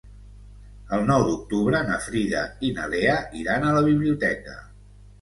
El nou d'octubre na Frida i na Lea iran a la biblioteca.